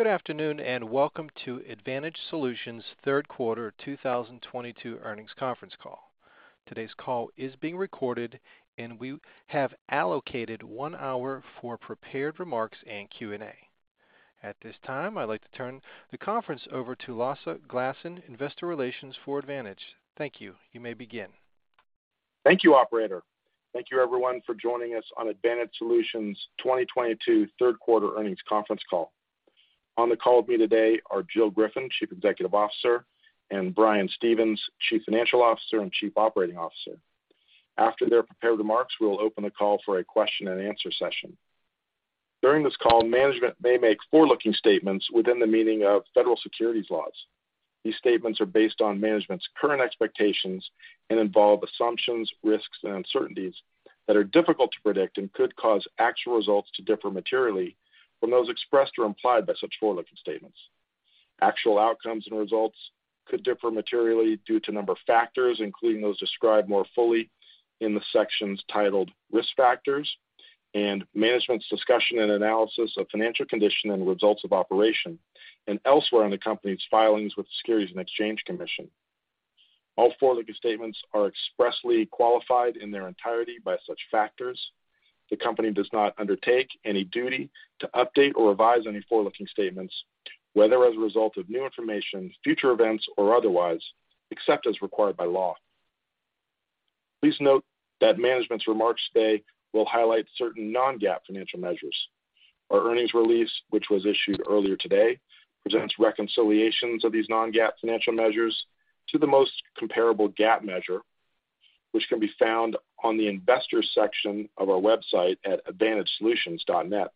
Good afternoon, and welcome to Advantage Solutions' third quarter 2022 earnings conference call. Today's call is being recorded, and we have allocated one hour for prepared remarks and Q&A. At this time, I'd like to turn the conference over to Lasse Glassen, Investor Relations for Advantage. Thank you. You may begin. Thank you, operator. Thank you everyone for joining us on Advantage Solutions' 2022 third quarter earnings conference call. On the call with me today are Jill Griffin, Chief Executive Officer, and Brian Stevens, Chief Financial Officer and Chief Operating Officer. After their prepared remarks, we will open the call for a question and answer session. During this call, management may make forward-looking statements within the meaning of federal securities laws. These statements are based on management's current expectations and involve assumptions, risks, and uncertainties that are difficult to predict and could cause actual results to differ materially from those expressed or implied by such forward-looking statements. Actual outcomes and results could differ materially due to a number of factors, including those described more fully in the sections titled Risk Factors and Management's Discussion and Analysis of Financial Condition and Results of Operations and elsewhere in the company's filings with the Securities and Exchange Commission. All forward-looking statements are expressly qualified in their entirety by such factors. The company does not undertake any duty to update or revise any forward-looking statements, whether as a result of new information, future events, or otherwise, except as required by law. Please note that management's remarks today will highlight certain non-GAAP financial measures. Our earnings release, which was issued earlier today, presents reconciliations of these non-GAAP financial measures to the most comparable GAAP measure, which can be found on the Investors section of our website at advantagesolutions.net.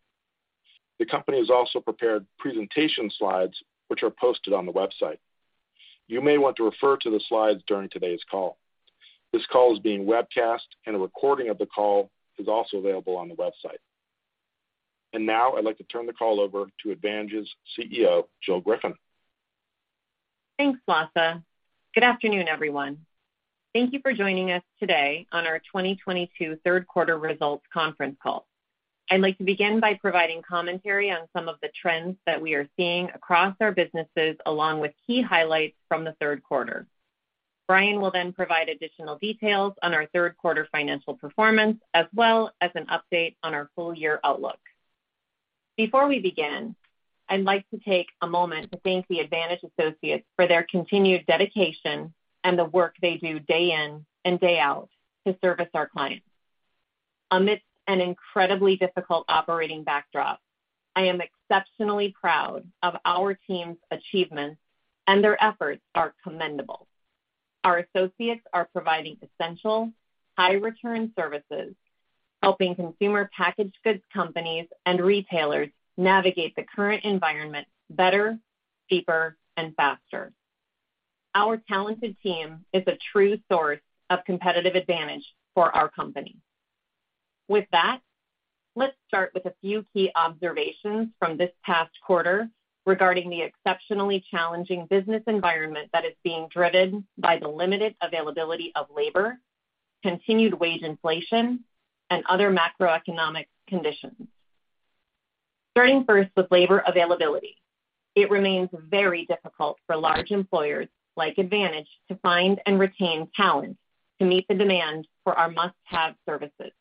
The company has also prepared presentation slides, which are posted on the website. You may want to refer to the slides during today's call. This call is being webcast, and a recording of the call is also available on the website. Now I'd like to turn the call over to Advantage's CEO, Jill Griffin. Thanks, Lasse. Good afternoon, everyone. Thank you for joining us today on our 2022 third quarter results conference call. I'd like to begin by providing commentary on some of the trends that we are seeing across our businesses, along with key highlights from the third quarter. Brian will then provide additional details on our third quarter financial performance, as well as an update on our full year outlook. Before we begin, I'd like to take a moment to thank the Advantage associates for their continued dedication and the work they do day in and day out to service our clients. Amidst an incredibly difficult operating backdrop, I am exceptionally proud of our team's achievements, and their efforts are commendable. Our associates are providing essential, high-return services, helping consumer packaged goods companies and retailers navigate the current environment better, cheaper, and faster. Our talented team is a true source of competitive advantage for our company. With that, let's start with a few key observations from this past quarter regarding the exceptionally challenging business environment that is being driven by the limited availability of labor, continued wage inflation, and other macroeconomic conditions. Starting first with labor availability, it remains very difficult for large employers like Advantage to find and retain talent to meet the demand for our must-have services.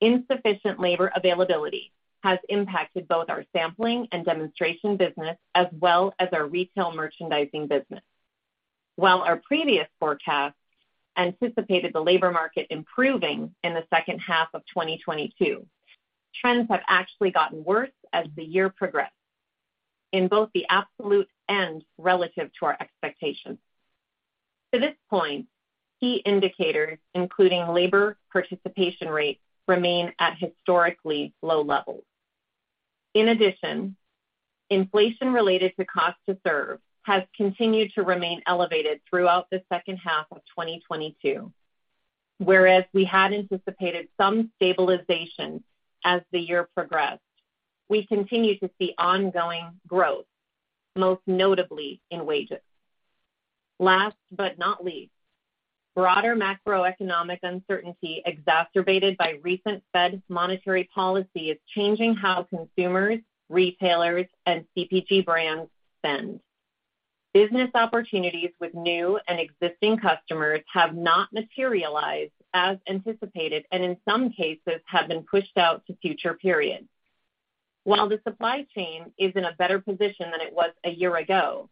Insufficient labor availability has impacted both our sampling and demonstration business as well as our retail merchandising business. While our previous forecasts anticipated the labor market improving in the second half of 2022, trends have actually gotten worse as the year progressed in both the absolute and relative to our expectations. To this point, key indicators, including labor participation rates, remain at historically low levels. In addition, inflation related to cost to serve has continued to remain elevated throughout the second half of 2022. Whereas we had anticipated some stabilization as the year progressed, we continue to see ongoing growth, most notably in wages. Last but not least, broader macroeconomic uncertainty exacerbated by recent Fed monetary policy is changing how consumers, retailers, and CPG brands spend. Business opportunities with new and existing customers have not materialized as anticipated, and in some cases have been pushed out to future periods. While the supply chain is in a better position than it was a year ago,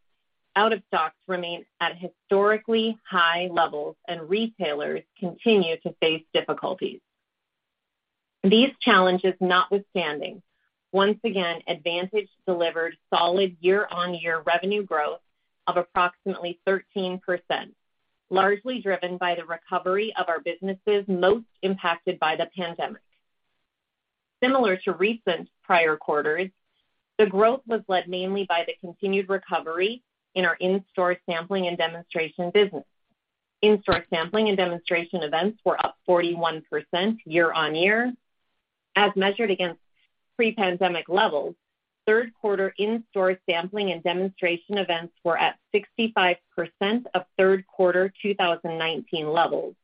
out of stocks remain at historically high levels, and retailers continue to face difficulties. These challenges notwithstanding, once again, Advantage delivered solid year-on-year revenue growth of approximately 13%, largely driven by the recovery of our businesses most impacted by the pandemic. Similar to recent prior quarters, the growth was led mainly by the continued recovery in our in-store sampling and demonstration business. In-store sampling and demonstration events were up 41% year-on-year. As measured against pre-pandemic levels, third quarter in-store sampling and demonstration events were at 65% of third quarter 2019 levels.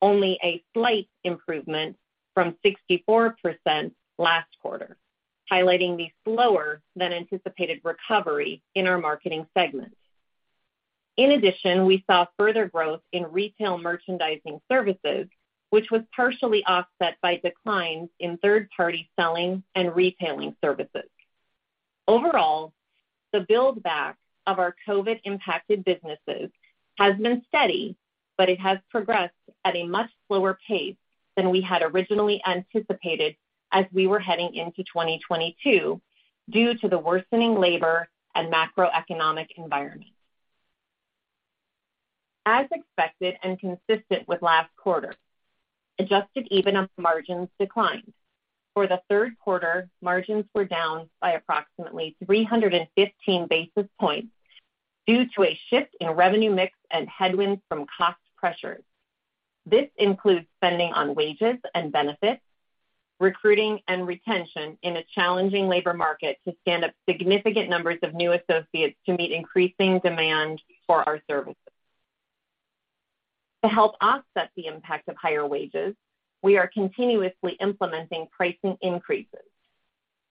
Only a slight improvement from 64% last quarter, highlighting the slower than anticipated recovery in our marketing segment. In addition, we saw further growth in retail merchandising services, which was partially offset by declines in third-party selling and retailing services. Overall, the buildback of our COVID-impacted businesses has been steady, but it has progressed at a much slower pace than we had originally anticipated as we were heading into 2022 due to the worsening labor and macroeconomic environment. As expected and consistent with last quarter, Adjusted EBITDA margins declined. For the third quarter, margins were down by approximately 315 basis points due to a shift in revenue mix and headwinds from cost pressures. This includes spending on wages and benefits, recruiting and retention in a challenging labor market to stand up significant numbers of new associates to meet increasing demand for our services. To help offset the impact of higher wages, we are continuously implementing pricing increases.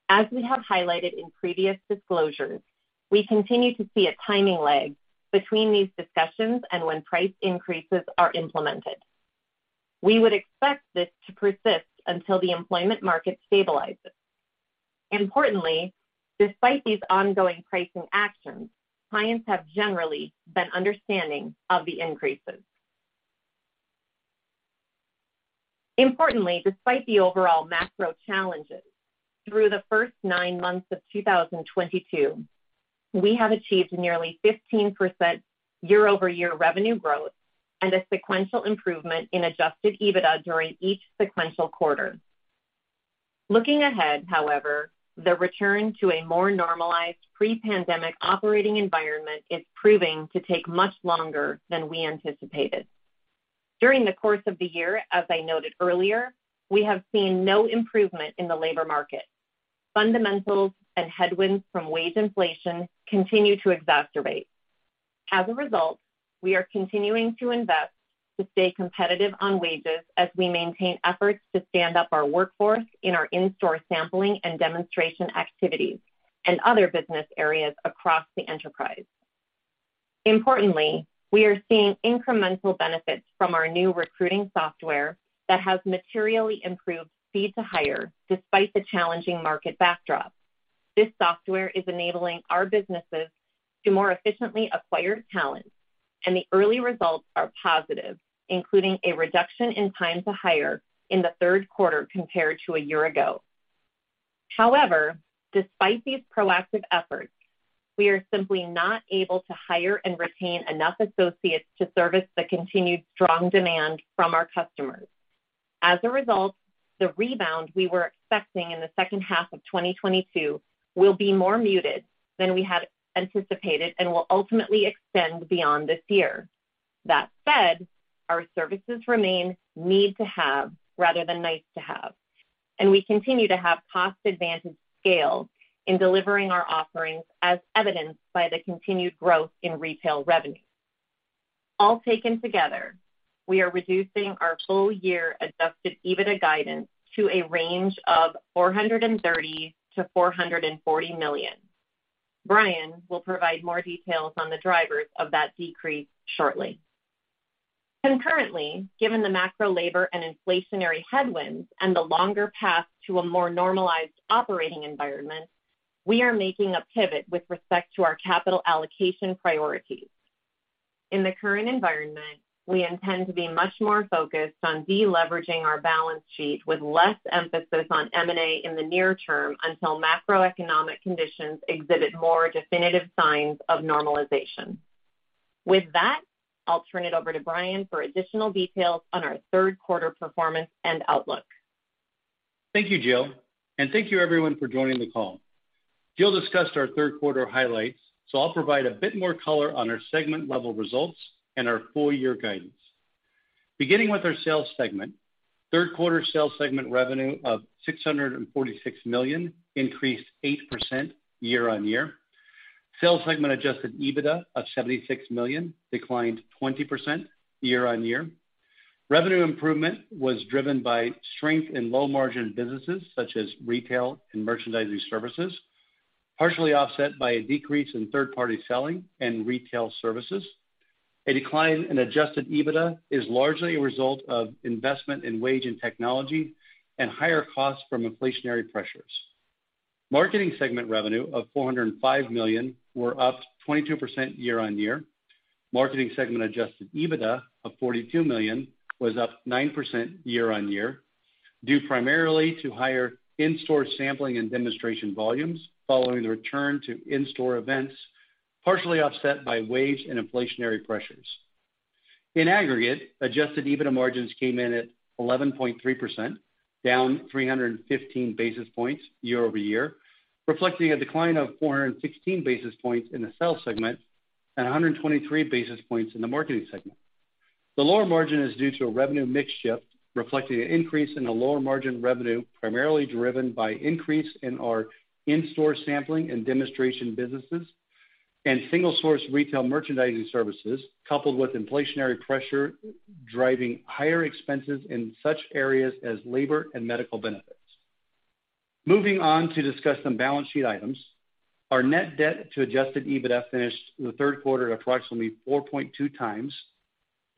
As we have highlighted in previous disclosures, we continue to see a timing lag between these discussions and when price increases are implemented. We would expect this to persist until the employment market stabilizes. Importantly, despite these ongoing pricing actions, clients have generally been understanding of the increases. Importantly, despite the overall macro challenges, through the first nine months of 2022, we have achieved nearly 15% year-over-year revenue growth and a sequential improvement in Adjusted EBITDA during each sequential quarter. Looking ahead, however, the return to a more normalized pre-pandemic operating environment is proving to take much longer than we anticipated. During the course of the year, as I noted earlier, we have seen no improvement in the labor market. Fundamentals and headwinds from wage inflation continue to exacerbate. As a result, we are continuing to invest to stay competitive on wages as we maintain efforts to stand up our workforce in our in-store sampling and demonstration activities and other business areas across the enterprise. Importantly, we are seeing incremental benefits from our new recruiting software that has materially improved speed to hire despite the challenging market backdrop. This software is enabling our businesses to more efficiently acquire talent, and the early results are positive, including a reduction in time to hire in the third quarter compared to a year ago. However, despite these proactive efforts, we are simply not able to hire and retain enough associates to service the continued strong demand from our customers. As a result, the rebound we were expecting in the second half of 2022 will be more muted than we had anticipated and will ultimately extend beyond this year. That said, our services remain need to have rather than nice to have, and we continue to have cost advantage scale in delivering our offerings as evidenced by the continued growth in retail revenue. All taken together, we are reducing our full year Adjusted EBITDA guidance to a range of $430 million-$440 million. Brian will provide more details on the drivers of that decrease shortly. Concurrently, given the macro labor and inflationary headwinds and the longer path to a more normalized operating environment, we are making a pivot with respect to our capital allocation priorities. In the current environment, we intend to be much more focused on deleveraging our balance sheet with less emphasis on M&A in the near term until macroeconomic conditions exhibit more definitive signs of normalization. With that, I'll turn it over to Brian for additional details on our third quarter performance and outlook. Thank you, Jill, and thank you everyone for joining the call. Jill discussed our third quarter highlights, so I'll provide a bit more color on our segment level results and our full year guidance. Beginning with our sales segment, third quarter sales segment revenue of $646 million increased 8% year-over-year. Sales segment Adjusted EBITDA of $76 million declined 20% year-over-year. Revenue improvement was driven by strength in low margin businesses such as retail merchandising services, partially offset by a decrease in third-party selling and retail services. A decline in Adjusted EBITDA is largely a result of investment in wage and technology and higher costs from inflationary pressures. Marketing segment revenue of $405 million were up 22% year-over-year. Marketing segment Adjusted EBITDA of $42 million was up 9% year-over-year, due primarily to higher in-store sampling and demonstration volumes following the return to in-store events, partially offset by wage and inflationary pressures. In aggregate, Adjusted EBITDA margins came in at 11.3%, down 315 basis points year-over-year, reflecting a decline of 416 basis points in the sales segment and 123 basis points in the marketing segment. The lower margin is due to a revenue mix shift, reflecting an increase in the lower margin revenue, primarily driven by increase in our in-store sampling and demonstration businesses. Single-source retail merchandising services, coupled with inflationary pressure, driving higher expenses in such areas as labor and medical benefits. Moving on to discuss some balance sheet items. Our net debt to Adjusted EBITDA finished the third quarter at approximately 4.2x.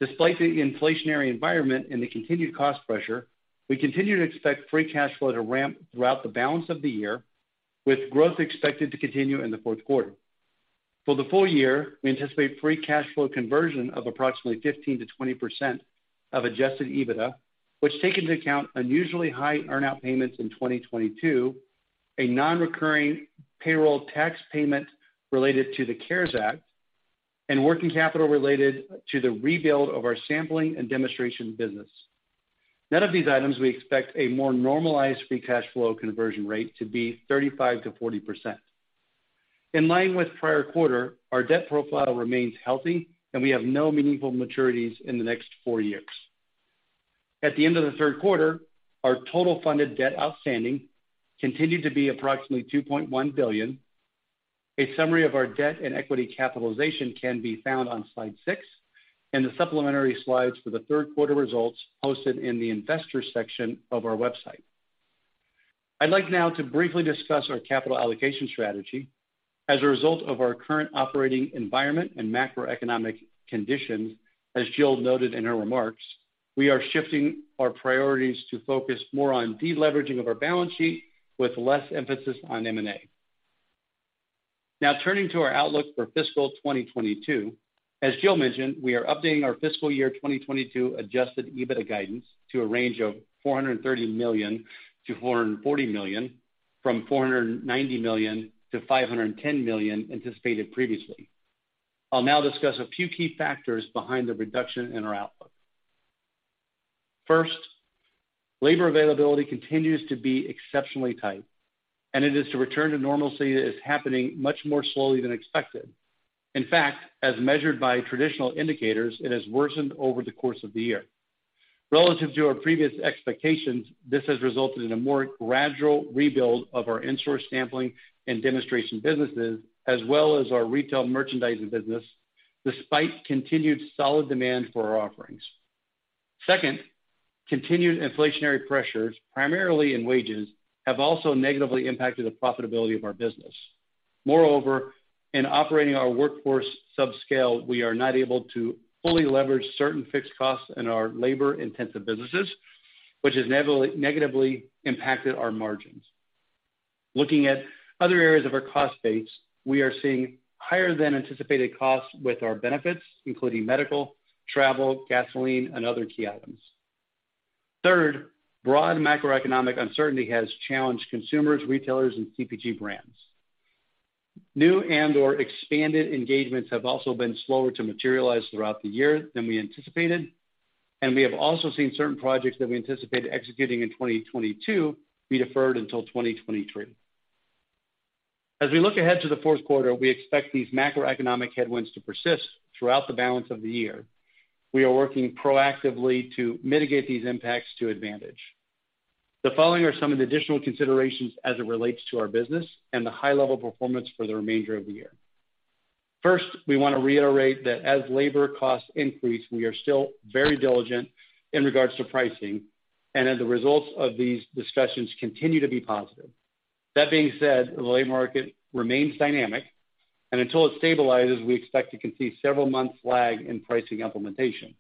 Despite the inflationary environment and the continued cost pressure, we continue to expect free cash flow to ramp throughout the balance of the year, with growth expected to continue in the fourth quarter. For the full year, we anticipate free cash flow conversion of approximately 15%-20% of Adjusted EBITDA, which take into account unusually high earn-out payments in 2022, a non-recurring payroll tax payment related to the CARES Act, and working capital related to the rebuild of our sampling and demonstration business. Net of these items, we expect a more normalized free cash flow conversion rate to be 35%-40%. In line with prior quarter, our debt profile remains healthy and we have no meaningful maturities in the next four years. At the end of the third quarter, our total funded debt outstanding continued to be approximately $2.1 billion. A summary of our debt and equity capitalization can be found on slide six, and the supplementary slides for the third quarter results posted in the investors section of our website. I'd like now to briefly discuss our capital allocation strategy. As a result of our current operating environment and macroeconomic conditions, as Jill noted in her remarks, we are shifting our priorities to focus more on deleveraging of our balance sheet with less emphasis on M&A. Now turning to our outlook for fiscal 2022. As Jill mentioned, we are updating our fiscal year 2022 Adjusted EBITDA guidance to a range of $430 million-$440 million from $490 million-$510 million anticipated previously. I'll now discuss a few key factors behind the reduction in our outlook. First, labor availability continues to be exceptionally tight, and it is the return to normalcy that is happening much more slowly than expected. In fact, as measured by traditional indicators, it has worsened over the course of the year. Relative to our previous expectations, this has resulted in a more gradual rebuild of our in-store sampling and demonstration businesses, as well as our retail merchandising business, despite continued solid demand for our offerings. Second, continued inflationary pressures, primarily in wages, have also negatively impacted the profitability of our business. Moreover, operating our workforce at subscale, we are not able to fully leverage certain fixed costs in our labor-intensive businesses, which has negatively impacted our margins. Looking at other areas of our cost base, we are seeing higher than anticipated costs with our benefits, including medical, travel, gasoline, and other key items. Third, broad macroeconomic uncertainty has challenged consumers, retailers, and CPG brands. New and/or expanded engagements have also been slower to materialize throughout the year than we anticipated, and we have also seen certain projects that we anticipated executing in 2022 be deferred until 2023. As we look ahead to the fourth quarter, we expect these macroeconomic headwinds to persist throughout the balance of the year. We are working proactively to mitigate these impacts to Advantage. The following are some of the additional considerations as it relates to our business and the high level performance for the remainder of the year. First, we wanna reiterate that as labor costs increase, we are still very diligent in regards to pricing and that the results of these discussions continue to be positive. That being said, the labor market remains dynamic, and until it stabilizes, we expect to see several months lag in pricing implementation.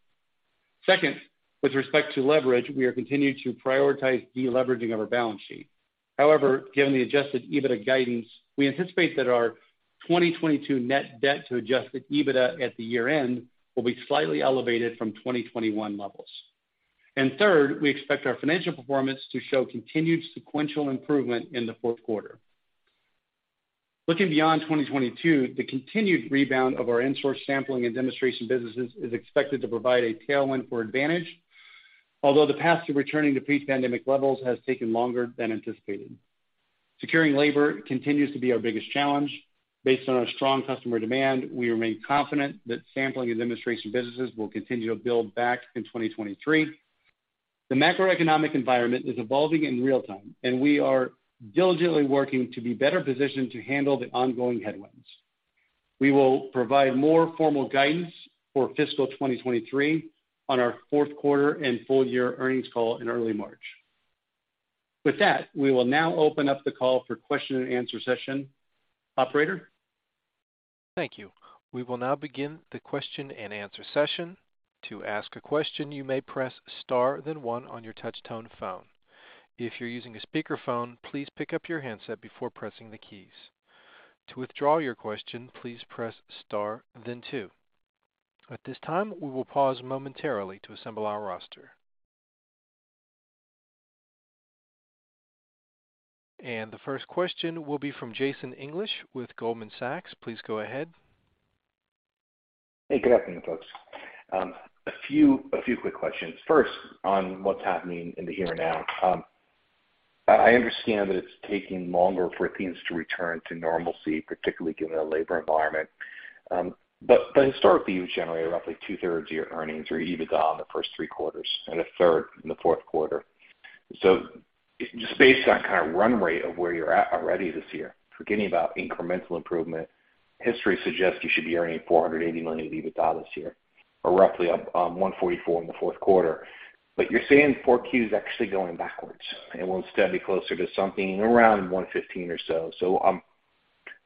Second, with respect to leverage, we are continuing to prioritize deleveraging of our balance sheet. However, given the Adjusted EBITDA guidance, we anticipate that our 2022 net debt to Adjusted EBITDA at the year-end will be slightly elevated from 2021 levels. Third, we expect our financial performance to show continued sequential improvement in the fourth quarter. Looking beyond 2022, the continued rebound of our in-store sampling and demonstration businesses is expected to provide a tailwind for Advantage, although the path to returning to pre-pandemic levels has taken longer than anticipated. Securing labor continues to be our biggest challenge. Based on our strong customer demand, we remain confident that sampling and demonstration businesses will continue to build back in 2023. The macroeconomic environment is evolving in real time, and we are diligently working to be better positioned to handle the ongoing headwinds. We will provide more formal guidance for fiscal 2023 on our fourth quarter and full year earnings call in early March. With that, we will now open up the call for question and answer session. Operator? Thank you. We will now begin the question and answer session. To ask a question, you may press star then one on your touch tone phone. If you're using a speakerphone, please pick up your handset before pressing the keys. To withdraw your question, please press star then two. At this time, we will pause momentarily to assemble our roster. The first question will be from Jason English with Goldman Sachs. Please go ahead. Hey, good afternoon, folks. A few quick questions. First, on what's happening in the here and now. I understand that it's taking longer for things to return to normalcy, particularly given the labor environment, but historically, you generate roughly two-thirds of your earnings or EBITDA on the first three quarters and a third in the fourth quarter. Just based on kind of run rate of where you're at already this year, forgetting about incremental improvement, history suggests you should be earning $480 million in EBITDA this year, or roughly $144 in the fourth quarter. But you're saying Q4 is actually going backwards, and we'll instead be closer to something around $115 or so.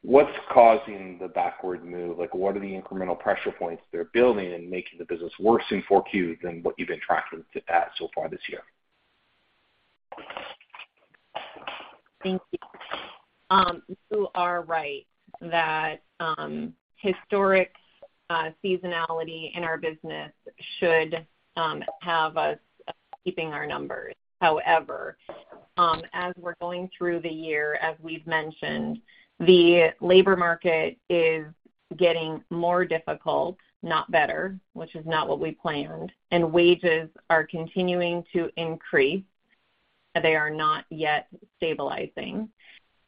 What's causing the backward move? Like, what are the incremental pressure points that are building and making the business worse in 4Q than what you've been tracking to at so far this year? Thank you. You are right that historic seasonality in our business should have us keeping our numbers. However, as we're going through the year, as we've mentioned, the labor market is getting more difficult, not better, which is not what we planned. Wages are continuing to increase, and they are not yet stabilizing.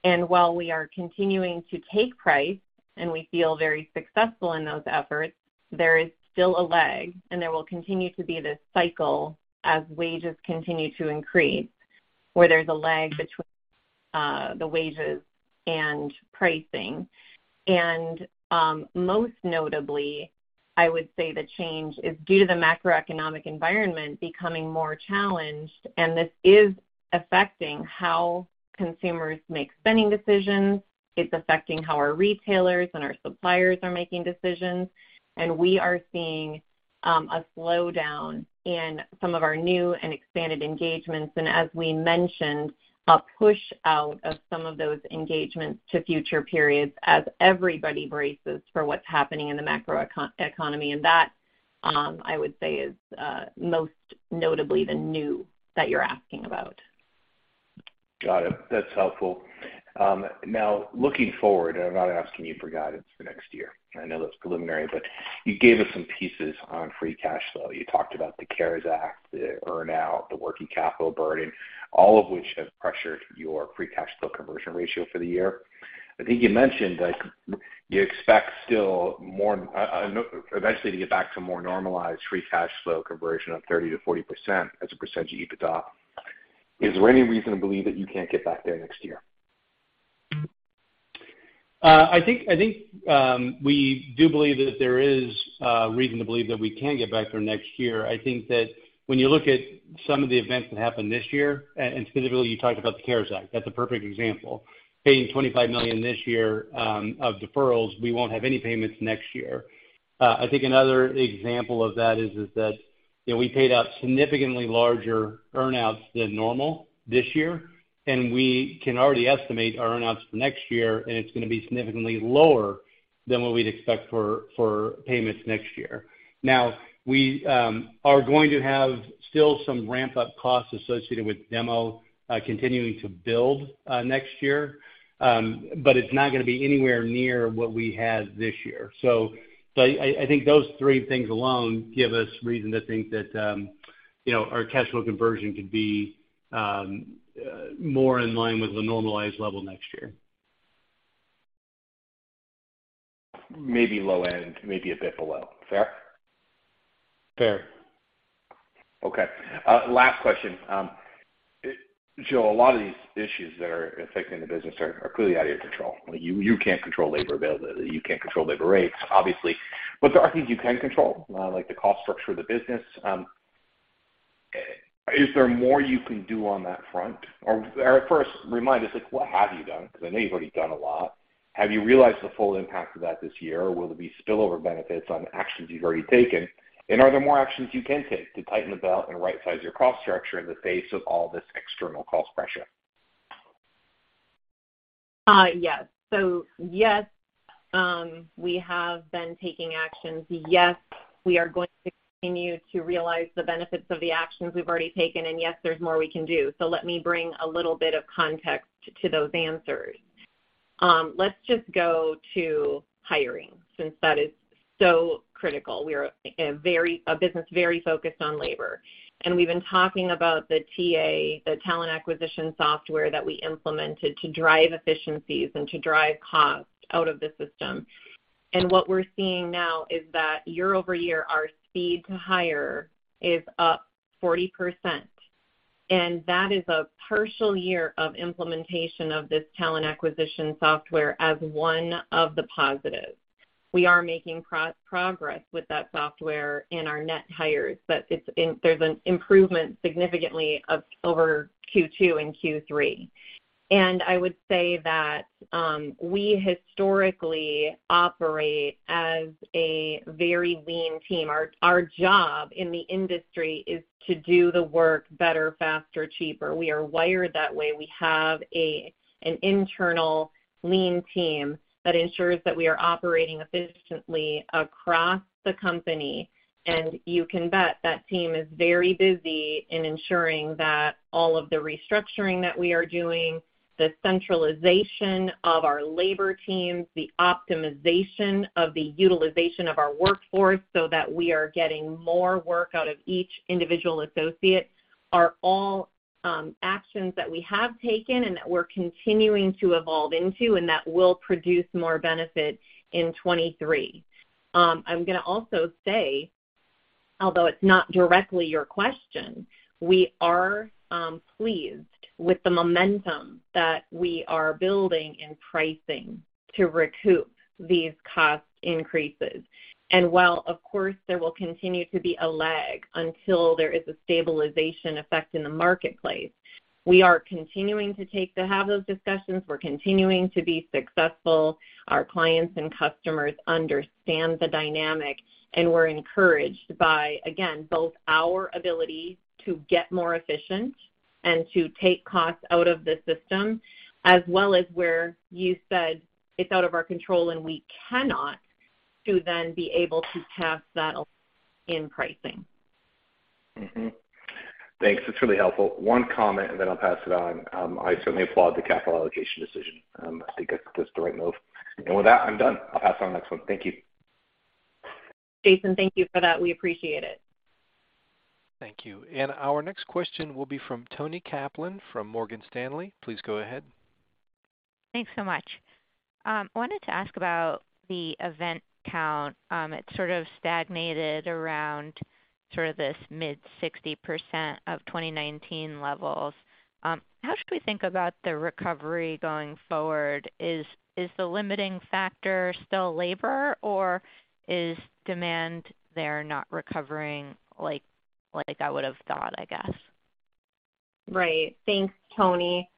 While we are continuing to take price, and we feel very successful in those efforts, there is still a lag, and there will continue to be this cycle as wages continue to increase, where there's a lag between the wages and pricing. Most notably, I would say the change is due to the macroeconomic environment becoming more challenged, and this is affecting how consumers make spending decisions. It's affecting how our retailers and our suppliers are making decisions. We are seeing a slowdown in some of our new and expanded engagements. As we mentioned, a push out of some of those engagements to future periods as everybody braces for what's happening in the macro economy. That I would say is most notably the new that you're asking about. Got it. That's helpful. Now looking forward, I'm not asking you for guidance for next year. I know that's preliminary, but you gave us some pieces on free cash flow. You talked about the CARES Act, the earn-out, the working capital burden, all of which have pressured your free cash flow conversion ratio for the year. I think you mentioned that you expect eventually to get back to more normalized free cash flow conversion of 30%-40% as a percentage of EBITDA. Is there any reason to believe that you can't get back there next year? I think we do believe that there is reason to believe that we can get back there next year. I think that when you look at some of the events that happened this year, and specifically, you talked about the CARES Act. That's a perfect example. Paying $25 million this year of deferrals, we won't have any payments next year. I think another example of that is that, you know, we paid out significantly larger earn-outs than normal this year, and we can already estimate our earn-outs for next year, and it's gonna be significantly lower than what we'd expect for payments next year. Now we are going to have still some ramp-up costs associated with demo continuing to build next year. It's not gonna be anywhere near what we had this year. I think those three things alone give us reason to think that, you know, our cash flow conversion could be more in line with the normalized level next year. Maybe low end, maybe a bit below. Fair? Fair. Okay. Last question. Jill, a lot of these issues that are affecting the business are clearly out of your control. You can't control labor availability. You can't control labor rates, obviously. But there are things you can control, like the cost structure of the business. Is there more you can do on that front? Or first remind us, like, what have you done? Because I know you've already done a lot. Have you realized the full impact of that this year, or will there be spillover benefits on actions you've already taken? Are there more actions you can take to tighten the belt and right-size your cost structure in the face of all this external cost pressure? Yes, we have been taking actions. Yes, we are going to continue to realize the benefits of the actions we've already taken, and yes, there's more we can do. Let me bring a little bit of context to those answers. Let's just go to hiring since that is so critical. We are a business very focused on labor, and we've been talking about the TA, the talent acquisition software that we implemented to drive efficiencies and to drive costs out of the system. What we're seeing now is that year-over-year, our speed to hire is up 40%, and that is a partial year of implementation of this talent acquisition software as one of the positives. We are making progress with that software in our net hires, but there's an improvement significantly over Q2 and Q3. I would say that we historically operate as a very lean team. Our job in the industry is to do the work better, faster, cheaper. We are wired that way. We have an internal lean team that ensures that we are operating efficiently across the company. You can bet that team is very busy in ensuring that all of the restructuring that we are doing, the centralization of our labor teams, the optimization of the utilization of our workforce so that we are getting more work out of each individual associate, are all actions that we have taken and that we're continuing to evolve into and that will produce more benefit in 2023. I'm gonna also say, although it's not directly your question, we are pleased with the momentum that we are building in pricing to recoup these cost increases. While, of course, there will continue to be a lag until there is a stabilization effect in the marketplace, we are continuing to have those discussions. We're continuing to be successful. Our clients and customers understand the dynamic, and we're encouraged by, again, both our ability to get more efficient and to take costs out of the system, as well as where you said it's out of our control and we cannot then be able to pass that in pricing. Mm-hmm. Thanks. It's really helpful. One comment, and then I'll pass it on. I certainly applaud the capital allocation decision. I think that's the right move. With that, I'm done. I'll pass on next one. Thank you. Jason, thank you for that. We appreciate it. Thank you. Our next question will be from Toni Kaplan from Morgan Stanley. Please go ahead. Thanks so much. Wanted to ask about the event count. It sort of stagnated around sort of this mid-60% of 2019 levels. How should we think about the recovery going forward? Is the limiting factor still labor, or is demand there not recovering like I would have thought, I guess? Right. Thanks, Toni.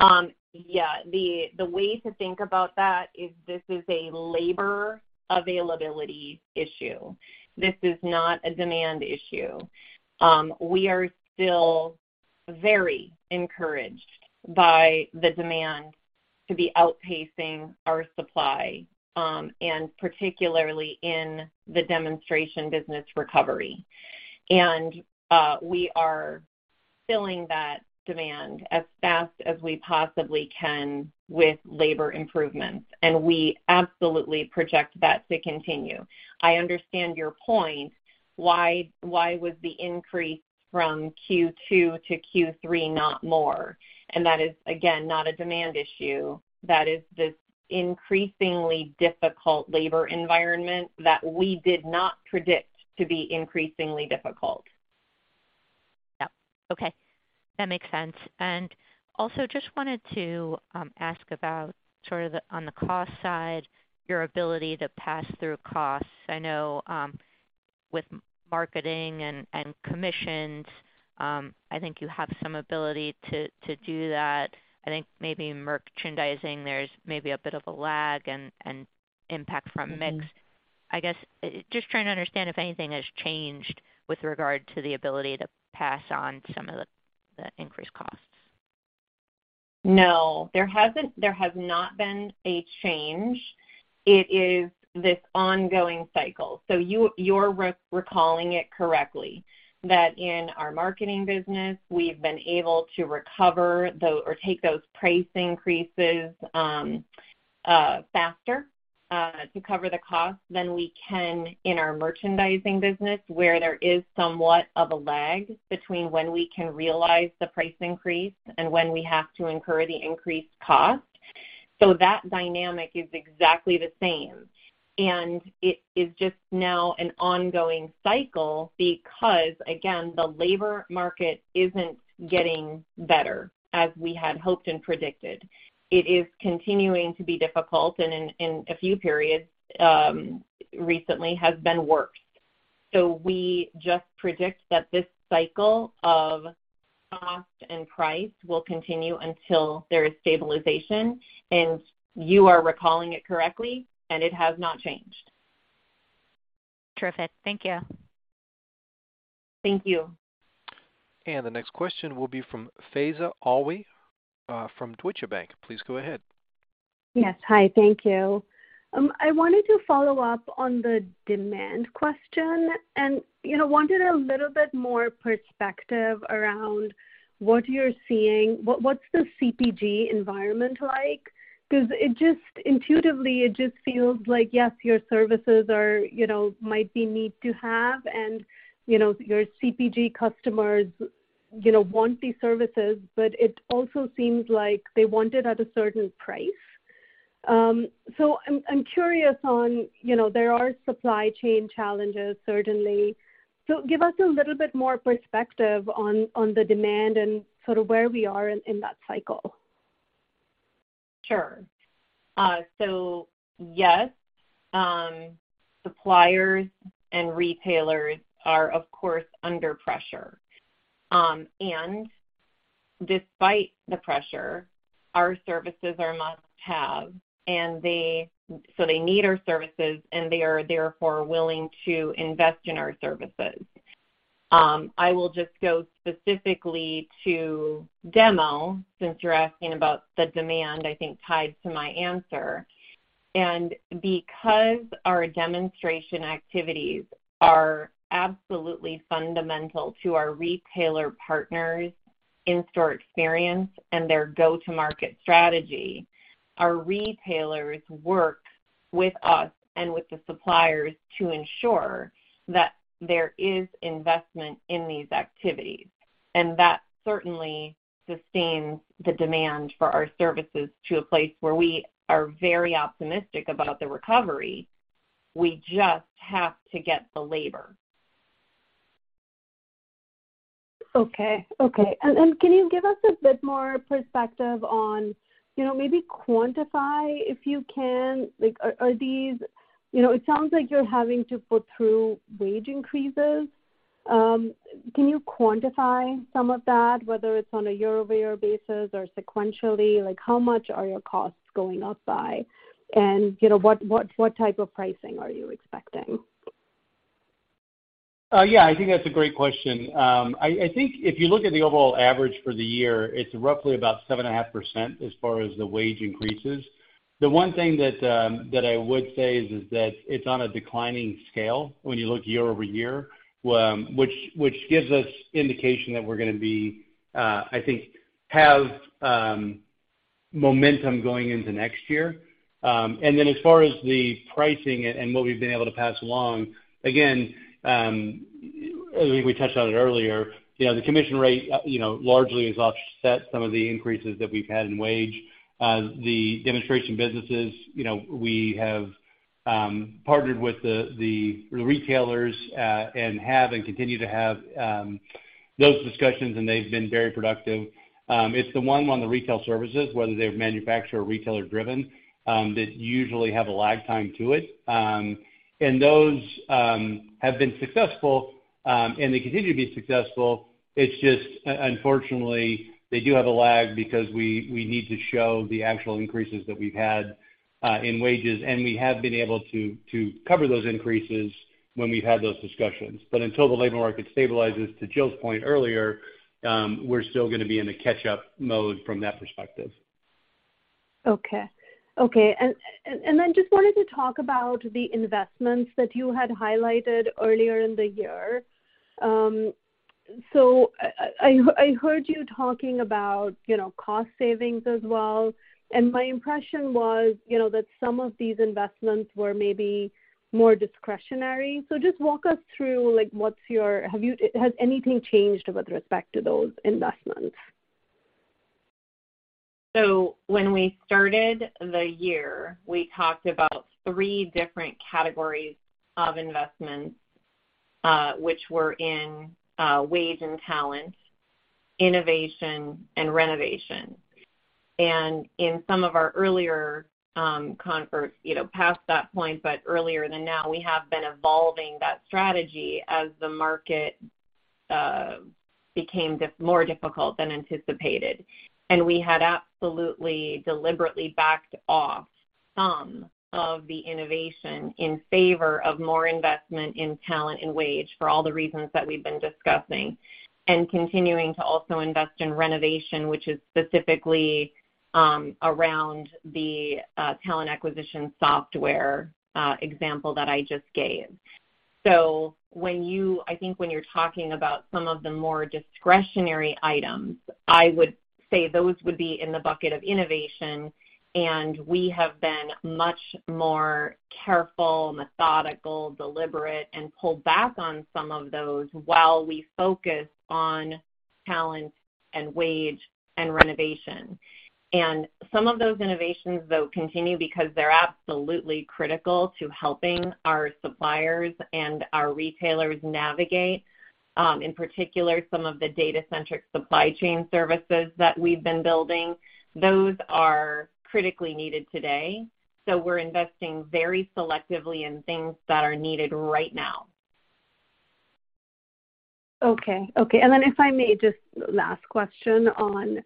Yeah. The way to think about that is this is a labor availability issue. This is not a demand issue. We are still very encouraged by the demand to be outpacing our supply, and particularly in the demonstration business recovery. We are filling that demand as fast as we possibly can with labor improvements, and we absolutely project that to continue. I understand your point. Why was the increase from Q2-Q3 not more? That is, again, not a demand issue. That is this increasingly difficult labor environment that we did not predict to be increasingly difficult. Yeah. Okay. That makes sense. Also just wanted to ask about sort of on the cost side, your ability to pass through costs. I know, with marketing and commissions, I think you have some ability to do that. I think maybe merchandising, there's maybe a bit of a lag and impact from mix. I guess, just trying to understand if anything has changed with regard to the ability to pass on some of the increased costs. No. There has not been a change. It is this ongoing cycle. You, you're recalling it correctly that in our marketing business, we've been able to recover or take those price increases faster to cover the cost than we can in our merchandising business, where there is somewhat of a lag between when we can realize the price increase and when we have to incur the increased cost. That dynamic is exactly the same. It is just now an ongoing cycle because, again, the labor market isn't getting better as we had hoped and predicted. It is continuing to be difficult and in a few periods recently has been worse. We just predict that this cycle of cost and price will continue until there is stabilization. You are recalling it correctly, and it has not changed. Terrific. Thank you. Thank you. The next question will be from Faiza Alwy, from Deutsche Bank. Please go ahead. Yes. Hi. Thank you. I wanted to follow up on the demand question and, you know, wanted a little bit more perspective around what you're seeing. What's the CPG environment like? 'Cause it just intuitively feels like, yes, your services are, you know, might be neat to have, and, you know, your CPG customers, you know, want these services, but it also seems like they want it at a certain price. I'm curious on, you know, there are supply chain challenges certainly. Give us a little bit more perspective on the demand and sort of where we are in that cycle. Sure. Suppliers and retailers are, of course, under pressure. Despite the pressure, our services are must-have, and they need our services, and they are therefore willing to invest in our services. I will just go specifically to demo since you're asking about the demand, I think, tied to my answer. Because our demonstration activities are absolutely fundamental to our retailer partners' in-store experience and their go-to-market strategy, our retailers work with us and with the suppliers to ensure that there is investment in these activities. That certainly sustains the demand for our services to a place where we are very optimistic about the recovery. We just have to get the labor. Okay, can you give us a bit more perspective on, you know, maybe quantify, if you can, like, are these. You know, it sounds like you're having to put through wage increases. Can you quantify some of that, whether it's on a year-over-year basis or sequentially? Like, how much are your costs going up by? You know, what type of pricing are you expecting? Yeah, I think that's a great question. I think if you look at the overall average for the year, it's roughly about 7.5% as far as the wage increases. The one thing that I would say is that it's on a declining scale when you look year-over-year, which gives us indication that we're gonna have momentum going into next year. As far as the pricing and what we've been able to pass along, again, I think we touched on it earlier, you know, the commission rate, you know, largely has offset some of the increases that we've had in wage. The demonstration businesses, you know, we have partnered with the retailers and continue to have those discussions and they've been very productive. It's the one on the retail services, whether they're manufacturer or retailer-driven, that usually have a lag time to it. Those have been successful and they continue to be successful. It's just, unfortunately, they do have a lag because we need to show the actual increases that we've had in wages, and we have been able to cover those increases when we've had those discussions. Until the labor market stabilizes, to Jill's point earlier, we're still gonna be in a catch-up mode from that perspective. I just wanted to talk about the investments that you had highlighted earlier in the year. I heard you talking about, you know, cost savings as well, and my impression was, you know, that some of these investments were maybe more discretionary. Just walk us through. Has anything changed with respect to those investments? When we started the year, we talked about three different categories of investments, which were in wage and talent, innovation, and renovation. In some of our earlier conversations, you know, past that point but earlier than now, we have been evolving that strategy as the market became more difficult than anticipated. We had absolutely deliberately backed off some of the innovation in favor of more investment in talent and wage for all the reasons that we've been discussing, and continuing to also invest in renovation, which is specifically around the talent acquisition software example that I just gave. I think when you're talking about some of the more discretionary items, I would say those would be in the bucket of innovation, and we have been much more careful, methodical, deliberate, and pulled back on some of those while we focus on talent and wage and renovation. Some of those innovations, though, continue because they're absolutely critical to helping our suppliers and our retailers navigate, in particular, some of the data-centric supply chain services that we've been building. Those are critically needed today, so we're investing very selectively in things that are needed right now. Okay. If I may, just last question on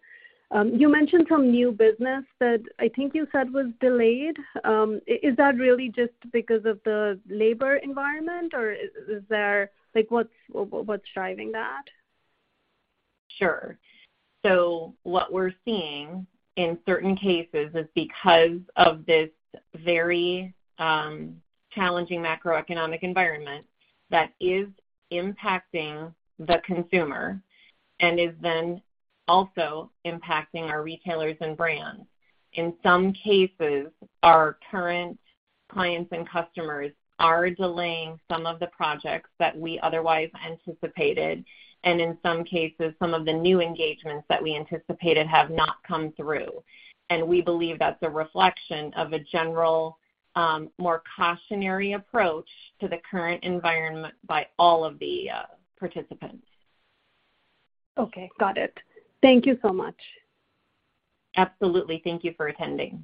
you mentioned some new business that I think you said was delayed. Is that really just because of the labor environment, or is there like, what's driving that? Sure. What we're seeing in certain cases is because of this very challenging macroeconomic environment that is impacting the consumer and is then also impacting our retailers and brands. In some cases, our current clients and customers are delaying some of the projects that we otherwise anticipated, and in some cases, some of the new engagements that we anticipated have not come through. We believe that's a reflection of a general more cautionary approach to the current environment by all of the participants. Okay. Got it. Thank you so much. Absolutely. Thank you for attending.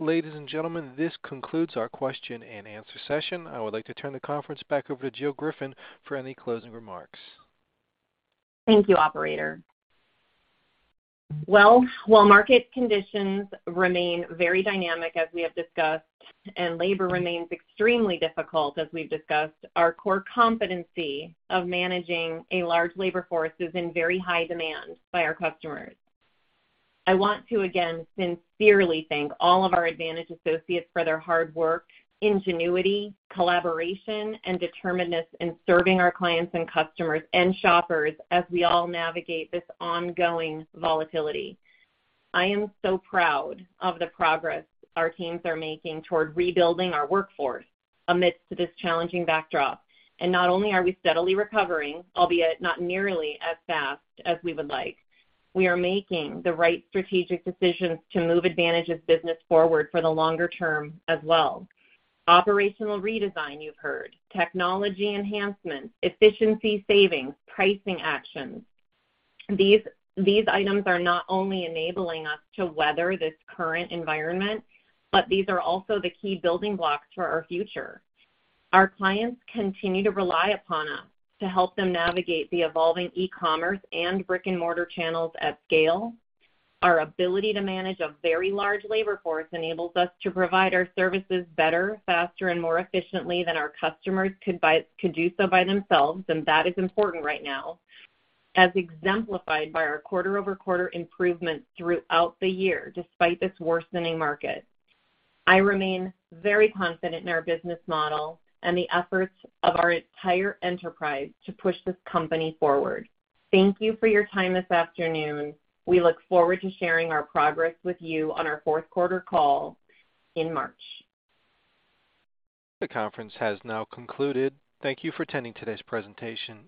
Ladies and gentlemen, this concludes our question and answer session. I would like to turn the conference back over to Jill Griffin for any closing remarks. Thank you, operator. Well, while market conditions remain very dynamic, as we have discussed, and labor remains extremely difficult, as we've discussed, our core competency of managing a large labor force is in very high demand by our customers. I want to again sincerely thank all of our Advantage associates for their hard work, ingenuity, collaboration, and determinedness in serving our clients and customers and shoppers as we all navigate this ongoing volatility. I am so proud of the progress our teams are making toward rebuilding our workforce amidst this challenging backdrop. Not only are we steadily recovering, albeit not nearly as fast as we would like, we are making the right strategic decisions to move Advantage's business forward for the longer term as well. Operational redesign, you've heard, technology enhancements, efficiency savings, pricing actions. These items are not only enabling us to weather this current environment, but these are also the key building blocks for our future. Our clients continue to rely upon us to help them navigate the evolving e-commerce and brick-and-mortar channels at scale. Our ability to manage a very large labor force enables us to provide our services better, faster, and more efficiently than our customers could do so by themselves, and that is important right now, as exemplified by our quarter-over-quarter improvement throughout the year, despite this worsening market. I remain very confident in our business model and the efforts of our entire enterprise to push this company forward. Thank you for your time this afternoon. We look forward to sharing our progress with you on our fourth quarter call in March. The conference has now concluded. Thank you for attending today's presentation.